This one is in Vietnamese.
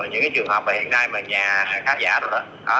những cái trường hợp mà hiện nay mà nhà khán giả rồi đó